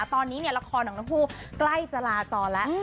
ตอนนี้เนี่ยละครหนังน้ำคู่ใกล้จะลาจอแล้ว